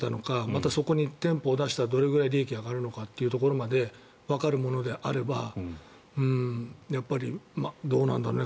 また、そこに店舗を出したらどれくらい利益が上がるのかというものまでわかるものであればどうなんだろう